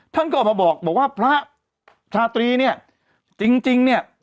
ท่านก็ออกมาบอกว่าพระชาตรีเนี่ยจริงเนี่ย